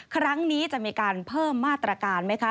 ครั้งนี้จะมีการเพิ่มมาตรการไหมคะ